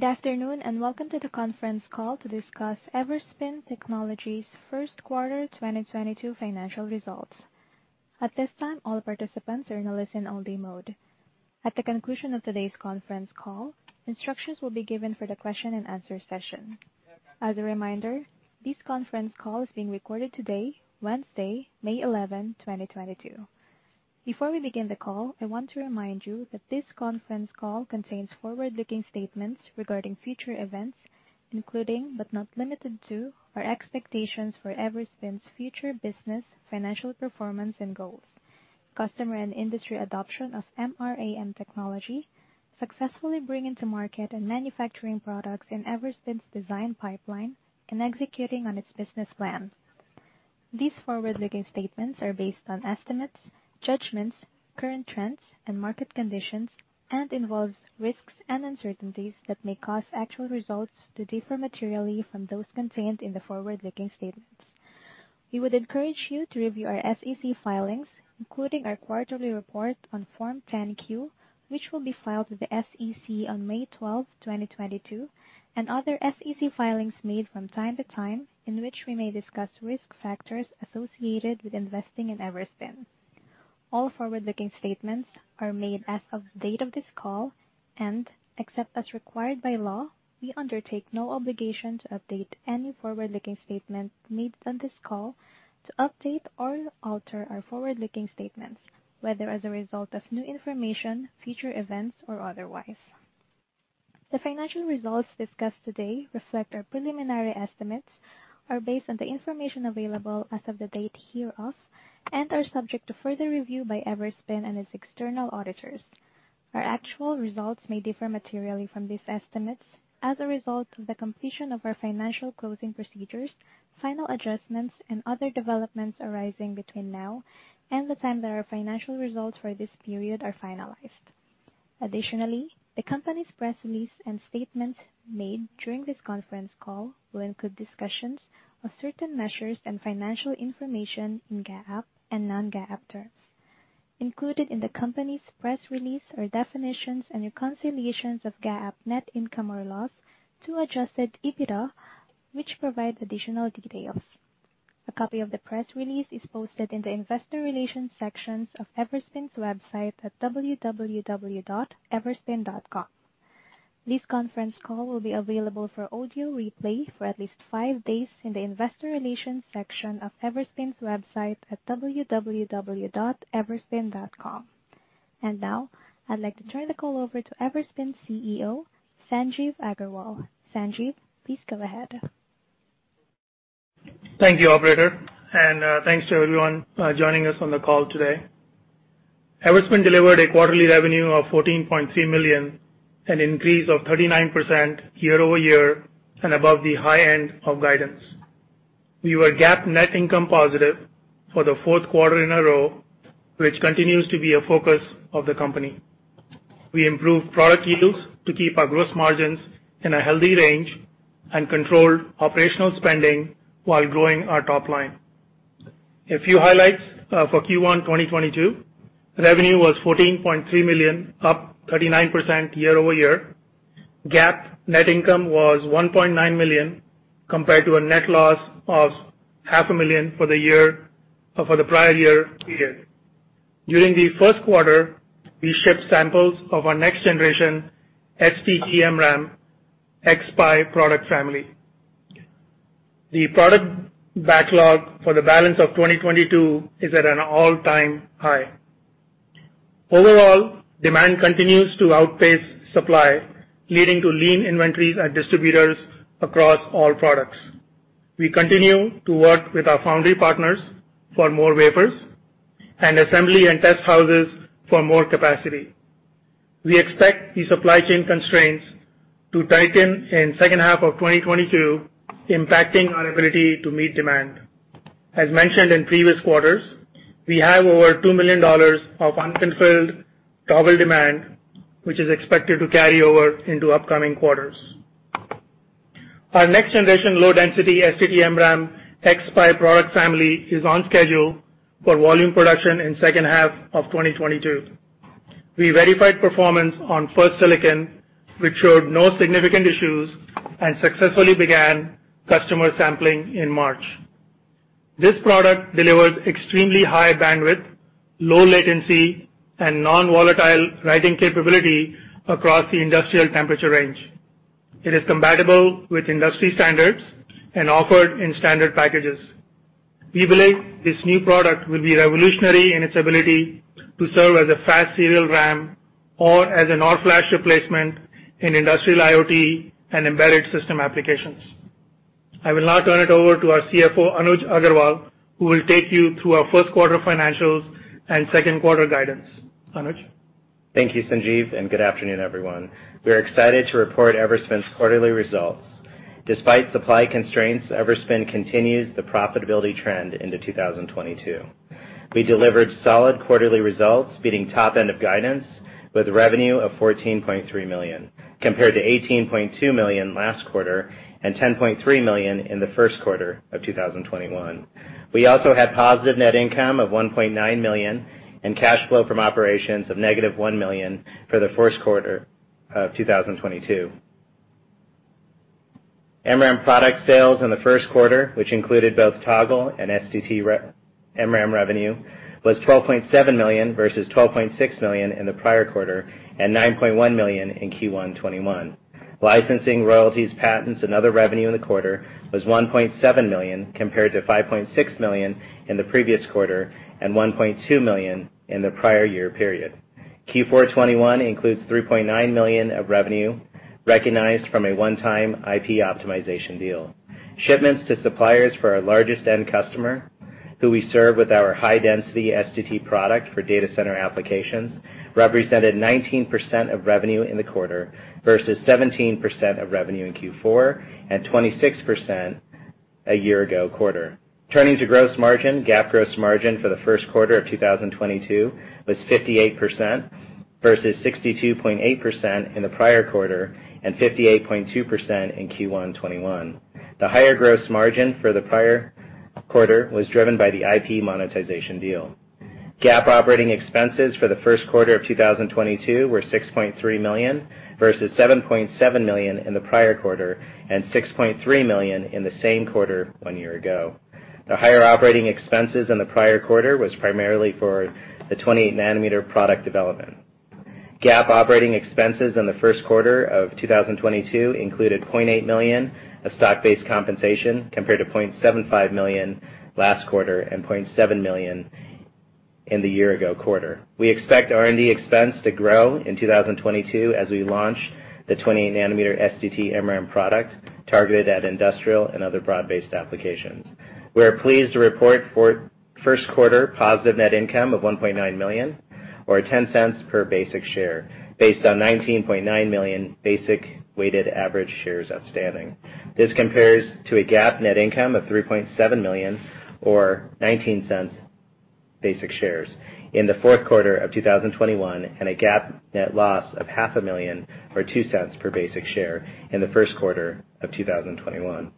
Good afternoon, and welcome to the conference call to discuss Everspin Technologies first quarter 2022 financial results. At this time, all participants are in a listen only mode. At the conclusion of today's conference call, instructions will be given for the question and answer session. As a reminder, this conference call is being recorded today, Wednesday, May 11, 2022. Before we begin the call, I want to remind you that this conference call contains forward-looking statements regarding future events, including, but not limited to, our expectations for Everspin's future business, financial performance and goals, customer and industry adoption of MRAM technology, successfully bringing to market and manufacturing products in Everspin's design pipeline, and executing on its business plan. These forward-looking statements are based on estimates, judgments, current trends and market conditions, and involves risks and uncertainties that may cause actual results to differ materially from those contained in the forward-looking statements. We would encourage you to review our SEC filings, including our quarterly report on Form 10-Q, which will be filed with the SEC on May 12, 2022, and other SEC filings made from time to time, in which we may discuss risk factors associated with investing in Everspin. All forward-looking statements are made as of the date of this call, and except as required by law, we undertake no obligation to update any forward-looking statement made on this call to update or alter our forward-looking statements, whether as a result of new information, future events or otherwise. The financial results discussed today reflect our preliminary estimates, are based on the information available as of the date hereof, and are subject to further review by Everspin and its external auditors. Our actual results may differ materially from these estimates as a result of the completion of our financial closing procedures, final adjustments and other developments arising between now and the time that our financial results for this period are finalized. Additionally, the company's press release and statements made during this conference call will include discussions of certain measures and financial information in GAAP and non-GAAP terms. Included in the company's press release are definitions and reconciliations of GAAP net income or loss to adjusted EBITDA, which provide additional details. A copy of the press release is posted in the investor relations sections of Everspin's website at www.everspin.com. This conference call will be available for audio replay for at least five days in the investor relations section of Everspin's website at www.everspin.com. Now, I'd like to turn the call over to Everspin CEO, Sanjeev Aggarwal. Sanjeev, please go ahead. Thank you, operator, and thanks to everyone joining us on the call today. Everspin delivered a quarterly revenue of $14.3 million, an increase of 39% year-over-year and above the high end of guidance. We were GAAP net income positive for the fourth quarter in a row, which continues to be a focus of the company. We improved product yields to keep our gross margins in a healthy range and controlled operational spending while growing our top line. A few highlights for Q1 2022. Revenue was $14.3 million, up 39% year-over-year. GAAP net income was $1.9 million compared to a net loss of half a million for the prior year period. During the first quarter, we shipped samples of our next-generation STT-MRAM xSPI product family. The product backlog for the balance of 2022 is at an all-time high. Overall, demand continues to outpace supply, leading to lean inventories at distributors across all products. We continue to work with our foundry partners for more wafers and assembly and test houses for more capacity. We expect the supply chain constraints to tighten in second half of 2022, impacting our ability to meet demand. As mentioned in previous quarters, we have over $2 million of unfulfilled total demand, which is expected to carry over into upcoming quarters. Our next generation low density STT-MRAM xSPI product family is on schedule for volume production in second half of 2022. We verified performance on first silicon, which showed no significant issues and successfully began customer sampling in March. This product delivers extremely high bandwidth, low latency and non-volatile writing capability across the industrial temperature range. It is compatible with industry standards and offered in standard packages. We believe this new product will be revolutionary in its ability to serve as a fast serial RAM or as an all-flash replacement in industrial IoT and embedded system applications. I will now turn it over to our CFO, Anuj Aggarwal, who will take you through our first quarter financials and second quarter guidance. Anuj. Thank you, Sanjeev, and good afternoon, everyone. We are excited to report Everspin's quarterly results. Despite supply constraints, Everspin continues the profitability trend into 2022. We delivered solid quarterly results, beating top end of guidance with revenue of $14.3 million, compared to $18.2 million last quarter and $10.3 million in the first quarter of 2021. We also had positive net income of $1.9 million and cash flow from operations of $-1 million for the first quarter of 2022. MRAM product sales in the first quarter, which included both Toggle and STT MRAM revenue, was $12.7 million versus $12.6 million in the prior quarter and $9.1 million in Q1 2021. Licensing royalties, patents, and other revenue in the quarter was $1.7 million compared to $5.6 million in the previous quarter and $1.2 million in the prior year period. Q4 2021 includes $3.9 million of revenue recognized from a one-time IP optimization deal. Shipments to suppliers for our largest end customer who we serve with our high-density STT product for data center applications represented 19% of revenue in the quarter versus 17% of revenue in Q4 and 26% a year ago quarter. Turning to gross margin, GAAP gross margin for the first quarter of 2022 was 58% versus 62.8% in the prior quarter and 58.2% in Q1 2021. The higher gross margin for the prior quarter was driven by the IP monetization deal. GAAP operating expenses for the first quarter of 2022 were $6.3 million versus $7.7 million in the prior quarter and $6.3 million in the same quarter one year ago. The higher operating expenses in the prior quarter was primarily for the 20 nm product development. GAAP operating expenses in the first quarter of 2022 included $0.8 million of stock-based compensation compared to $0.75 million last quarter and $0.7 million in the year ago quarter. We expect R&D expense to grow in 2022 as we launch the 20 nm STT-MRAM product targeted at industrial and other broad-based applications. We are pleased to report for first quarter positive net income of $1.9 million or $0.10 per basic share based on 19.9 million basic weighted average shares outstanding. This compares to a GAAP net income of $3.7 million or $0.19 per basic share in the fourth quarter of 2021 and a GAAP net loss of $ half a million or $0.02 per basic share in the first quarter of 2021.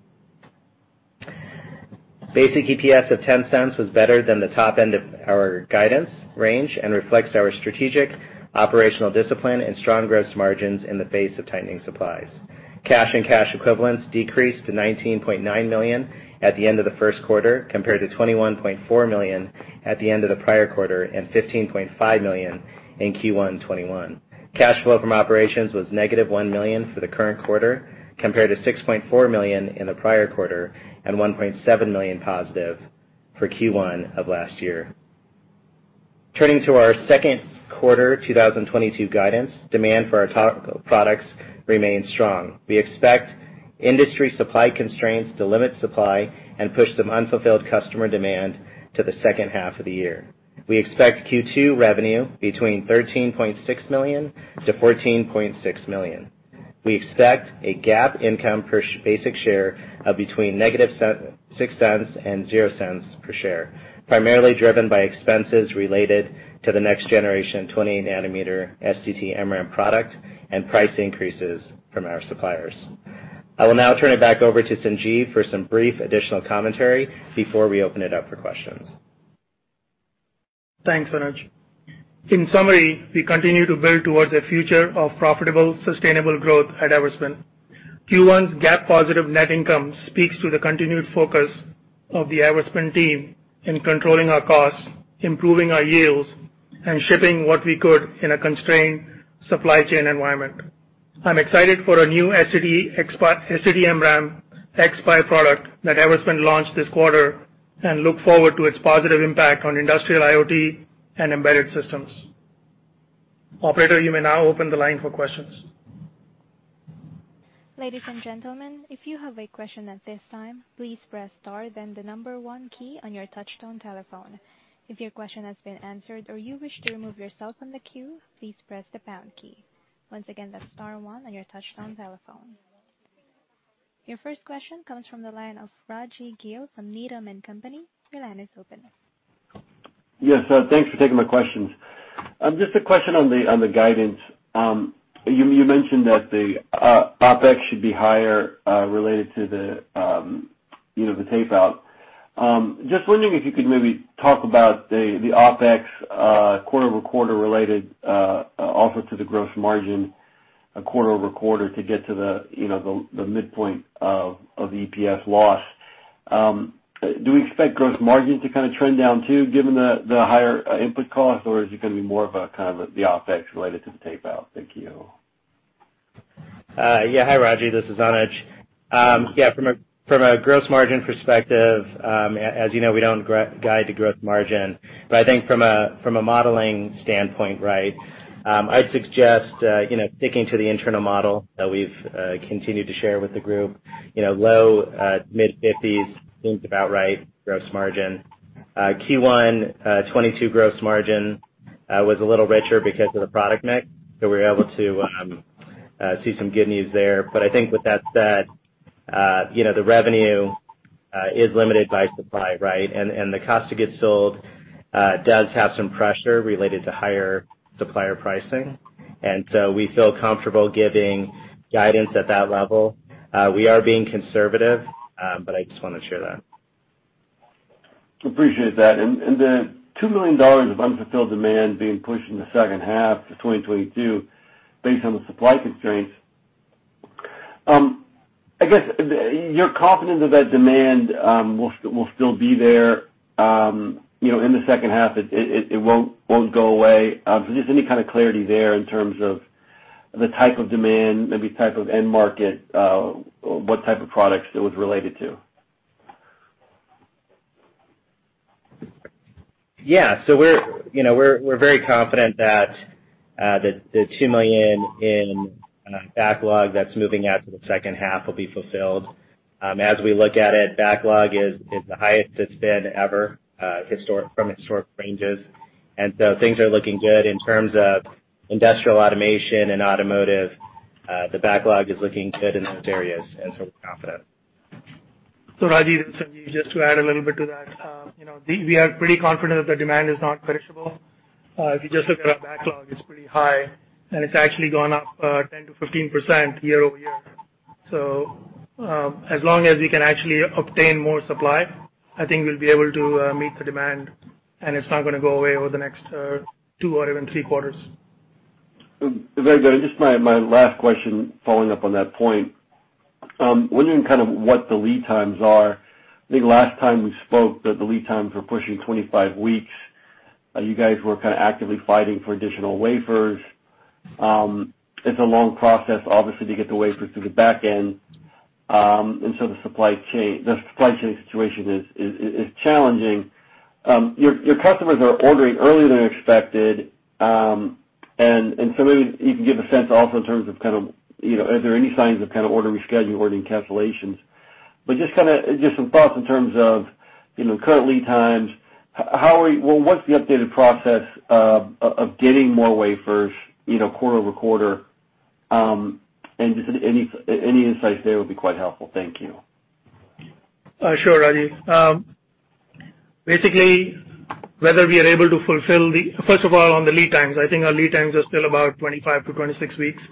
Basic EPS of $0.10 was better than the top end of our guidance range and reflects our strategic operational discipline and strong gross margins in the face of tightening supplies. Cash and cash equivalents decreased to $19.9 million at the end of the first quarter compared to $21.4 million at the end of the prior quarter and $15.5 million in Q1 2021. Cash flow from operations was $-1 million for the current quarter compared to $6.4 million in the prior quarter and $+1.7 million for Q1 of last year. Turning to our second quarter 2022 guidance, demand for our Toggle products remains strong. We expect industry supply constraints to limit supply and push some unfulfilled customer demand to the second half of the year. We expect Q2 revenue between $13.6 million-$14.6 million. We expect a GAAP income per basic share of between $-0.06 and $0.00 per share, primarily driven by expenses related to the next-generation 20 nm STT-MRAM product and price increases from our suppliers. I will now turn it back over to Sanjeev for some brief additional commentary before we open it up for questions. Thanks, Anuj. In summary, we continue to build towards a future of profitable, sustainable growth at Everspin. Q1's GAAP positive net income speaks to the continued focus of the Everspin team in controlling our costs, improving our yields, and shipping what we could in a constrained supply chain environment. I'm excited for our new STT-MRAM xSPI product that Everspin launched this quarter and look forward to its positive impact on industrial IoT and embedded systems. Operator, you may now open the line for questions. Ladies and gentlemen, if you have a question at this time, please press star then the number one key on your touchtone telephone. If your question has been answered or you wish to remove yourself from the queue, please press the pound key. Once again, that's star one on your touchtone telephone. Your first question comes from the line of Rajvindra Gill from Needham & Company. Your line is open. Yes. Thanks for taking my questions. Just a question on the guidance. You mentioned that the OpEx should be higher related to you know the tape-out. Just wondering if you could maybe talk about the OpEx quarter-over-quarter related also to the gross margin quarter-over-quarter to get to the you know the midpoint of EPS loss. Do we expect gross margin to kind of trend down too given the higher input cost, or is it gonna be more of a kind of the OpEx related to the tape-out? Thank you. Hi, Rajvindra. This is Anuj. From a gross margin perspective, as you know, we don't guide to gross margin. I think from a modeling standpoint, right, I'd suggest you know sticking to the internal model that we've continued to share with the group. You know, low-mid 50s% seems about right gross margin. Q1 2022 gross margin was a little richer because of the product mix, so we were able to see some good news there. I think with that said, you know, the revenue is limited by supply, right? The cost of goods sold does have some pressure related to higher supplier pricing. We feel comfortable giving guidance at that level. We are being conservative, but I just want to share that. Appreciate that. The $2 million of unfulfilled demand being pushed in the second half of 2022 based on the supply constraints, I guess, you're confident that that demand will still be there, you know, in the second half, it won't go away. Just any kind of clarity there in terms of the type of demand, maybe type of end market, what type of products it was related to? We're very confident that the $2 million in backlog that's moving out to the second half will be fulfilled. As we look at it, backlog is the highest it's been ever from historical ranges. Things are looking good in terms of industrial automation and automotive. The backlog is looking good in those areas, and so we're confident. Rajvindra, this is Sanjeev. Just to add a little bit to that, you know, we are pretty confident the demand is not perishable. If you just look at our backlog, it's pretty high, and it's actually gone up 10%-15% year-over-year. As long as we can actually obtain more supply, I think we'll be able to meet the demand, and it's not gonna go away over the next two or even three quarters. Very good. Just my last question following up on that point, wondering kind of what the lead times are. I think last time we spoke, that the lead times were pushing 25 weeks. You guys were kind of actively fighting for additional wafers. It's a long process, obviously, to get the wafers through the back end. The supply chain situation is challenging. Your customers are ordering earlier than expected. Maybe you can give a sense also in terms of kind of, you know, are there any signs of kind of order reschedule, ordering cancellations? Just kinda just some thoughts in terms of, you know, current lead times. Well, what's the updated process of getting more wafers, you know, quarter over quarter? Just any insights there would be quite helpful. Thank you. Sure, Rajvindra. Basically, first of all, on the lead times, I think our lead times are still about 25-26 weeks.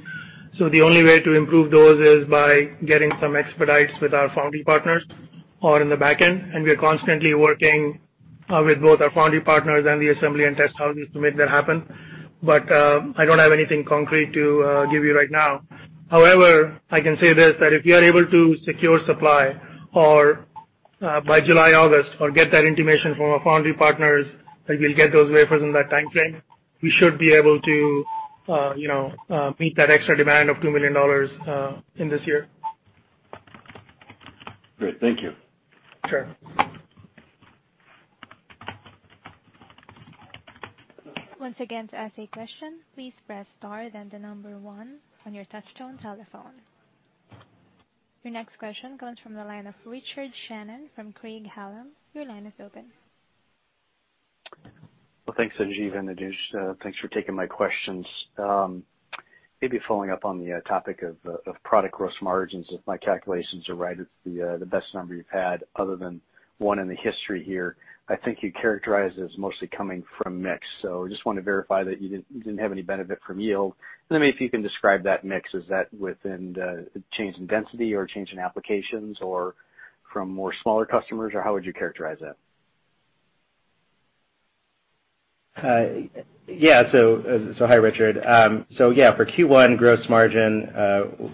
The only way to improve those is by getting some expedites with our foundry partners or in the back end. We are constantly working with both our foundry partners and the assembly and test houses to make that happen. I don't have anything concrete to give you right now. However, I can say this, that if we are able to secure supply or by July, August, or get that intimation from our foundry partners that we'll get those wafers in that timeframe, we should be able to you know meet that extra demand of $2 million in this year. Great. Thank you. Sure. Once again, to ask a question, please press star then the number 1 on your touch-tone telephone. Your next question comes from the line of Richard Shannon from Craig-Hallum. Your line is open. Well, thanks, Sanjeev and Anuj. Thanks for taking my questions. Maybe following up on the topic of product gross margins, if my calculations are right, it's the best number you've had other than one in the history here. I think you characterized as mostly coming from mix. Just wanna verify that you didn't have any benefit from yield. Then maybe if you can describe that mix, is that within the change in density or change in applications or from more smaller customers, or how would you characterize that? Yeah. Hi, Richard. For Q1, gross margin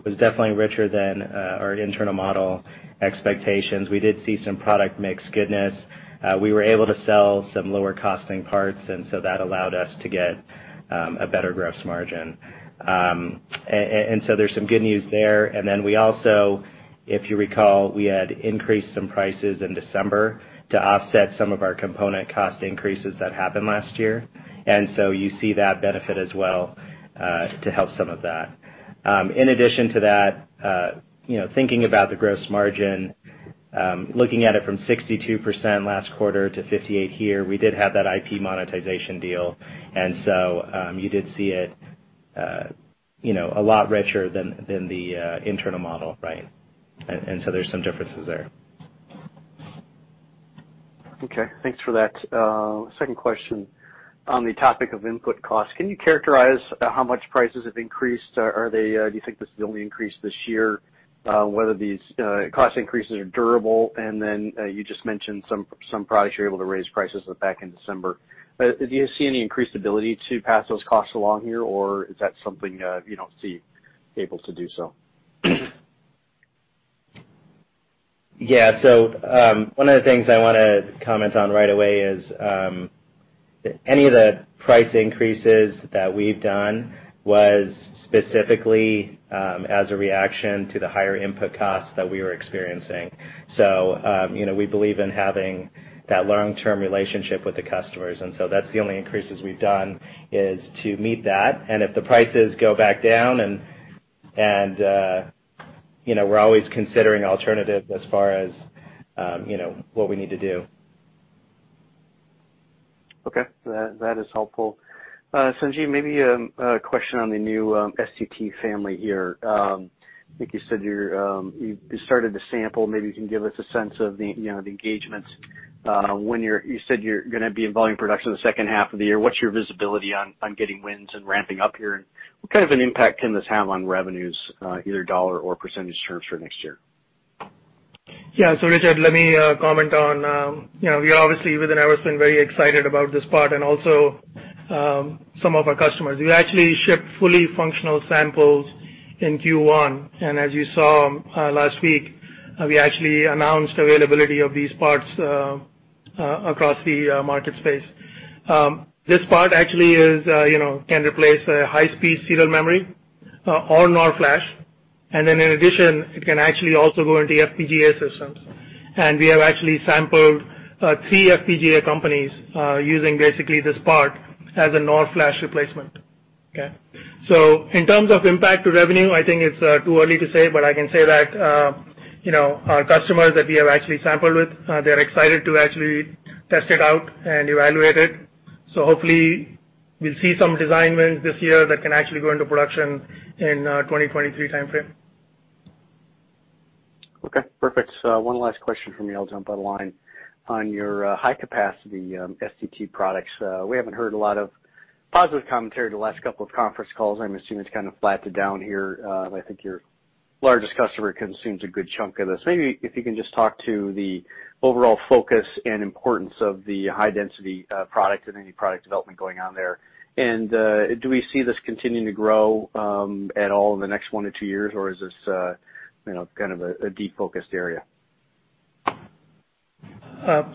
was definitely richer than our internal model expectations. We did see some product mix goodness. We were able to sell some lower costing parts, and that allowed us to get a better gross margin. There's some good news there. We also, if you recall, had increased some prices in December to offset some of our component cost increases that happened last year. You see that benefit as well to help some of that. In addition to that, you know, thinking about the gross margin, looking at it from 62% last quarter to 58% here, we did have that IP monetization deal. You did see it, you know, a lot richer than the internal model, right? There's some differences there. Okay. Thanks for that. Second question, on the topic of input costs, can you characterize, how much prices have increased? Are they, do you think this is the only increase this year? Whether these cost increases are durable, and then, you just mentioned some products you're able to raise prices back in December. Do you see any increased ability to pass those costs along here, or is that something, you don't see able to do so? Yeah. One of the things I wanna comment on right away is, any of the price increases that we've done was specifically, as a reaction to the higher input costs that we were experiencing. You know, we believe in having that long-term relationship with the customers, and so that's the only increases we've done is to meet that. If the prices go back down and, you know, we're always considering alternatives as far as, you know, what we need to do. Okay. That is helpful. Sanjeev, maybe a question on the new STT family here. I think you said you started to sample. Maybe you can give us a sense of the, you know, the engagements. When you said you're gonna be in volume production the second half of the year. What's your visibility on getting wins and ramping up here and what kind of an impact can this have on revenues, either dollar or percentage terms for next year? Yeah. Richard, let me comment on, you know, we obviously within Everspin very excited about this part and also, some of our customers. We actually shipped fully functional samples in Q1, and as you saw, last week, we actually announced availability of these parts, across the market space. This part actually is, you know, can replace a high-speed serial memory, or NOR flash, and then in addition, it can actually also go into FPGA systems. We have actually sampled, three FPGA companies, using basically this part as a NOR flash replacement. Okay. In terms of impact to revenue, I think it's, too early to say, but I can say that, you know, our customers that we have actually sampled with, they're excited to actually test it out and evaluate it. Hopefully we'll see some design wins this year that can actually go into production in 2023 timeframe. Okay, perfect. One last question from me, I'll jump on the line. On your high capacity STT products, we haven't heard a lot of positive commentary the last couple of conference calls. I'm assuming it's kind of flattened down here. I think your largest customer consumes a good chunk of this. Maybe if you can just talk to the overall focus and importance of the high density product and any product development going on there. And do we see this continuing to grow at all in the next one to two years, or is this, you know, kind of a defocused area?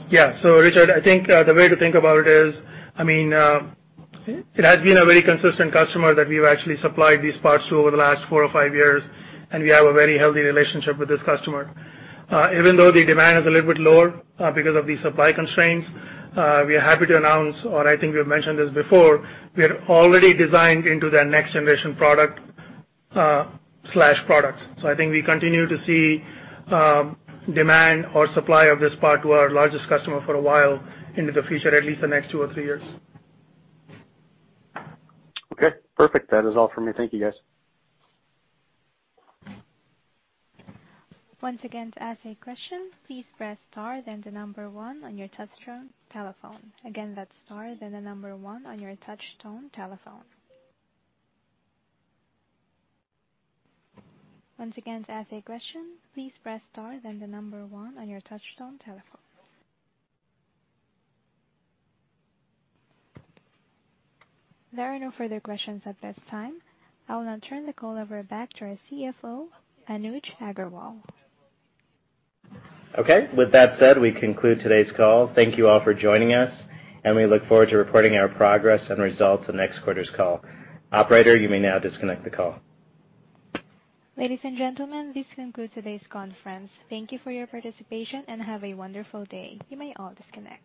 Yeah. Richard, I think the way to think about it is, I mean, it has been a very consistent customer that we've actually supplied these parts to over the last four or five years, and we have a very healthy relationship with this customer. Even though the demand is a little bit lower because of the supply constraints, we are happy to announce, or I think we've mentioned this before, we are already designed into their next generation product slash products. I think we continue to see demand or supply of this part to our largest customer for a while into the future, at least the next two or three years. Okay, perfect. That is all for me. Thank you, guys. Once again, to ask a question, please press star then the number 1 on your touch tone telephone. Again, that's star then the number one on your touch tone telephone. Once again, to ask a question, please press star then the number one on your touch tone telephone. There are no further questions at this time. I will now turn the call over back to our CFO, Anuj Aggarwal. Okay. With that said, we conclude today's call. Thank you all for joining us, and we look forward to reporting our progress and results in next quarter's call. Operator, you may now disconnect the call. Ladies and gentlemen, this concludes today's conference. Thank you for your participation, and have a wonderful day. You may all disconnect.